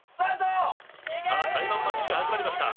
さあタイマンマッチが始まりました。